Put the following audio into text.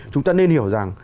chúng ta nên hiểu rằng